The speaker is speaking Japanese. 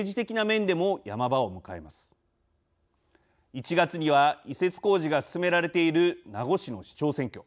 １月には移設工事が進められている名護市の市長選挙。